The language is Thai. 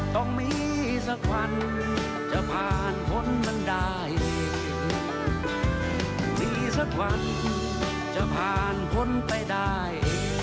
ต้องมีสักวันจะผ่านพ้นมันได้มีสักวันจะผ่านพ้นไปได้